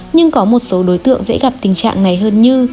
nhưng có một số đối tượng dễ gặp tình trạng này hơn như